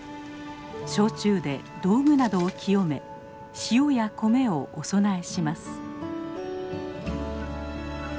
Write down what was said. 焼酎で道具などを清め塩や米をお供えします。